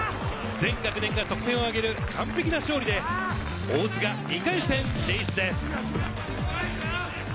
全学年が得点をあげる完璧な勝利で、大津が２回戦進出です。